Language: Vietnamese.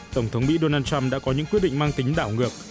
tổng thống mỹ donald trump đã có những quyết định mang tính đảo ngược